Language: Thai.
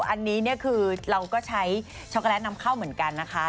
อันนี้เนี่ยคือเราก็ใช้ช็อกโกแลตนำเข้าเหมือนกันนะคะ